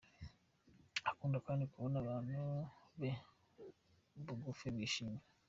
Akunda kandi kubona abantu be ba bugufi bishimye.